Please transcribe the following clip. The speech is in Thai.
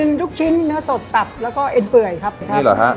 มีลูกชิ้นเนื้อสดตัดแล้วก็เอ็ดเปื่อยครับครับนี่เหรอฮะ